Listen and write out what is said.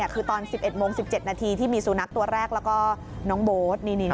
คือตอน๑๑โมง๑๗นาทีที่มีสุนัขตัวแรกแล้วก็น้องโบ๊ท